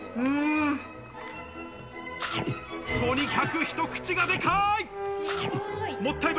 とにかく一口がでかい！